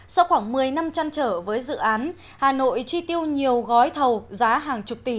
sau khoảng một mươi năm chăn trở với dự án hà nội chi tiêu nhiều gói thầu giá hàng chục tỷ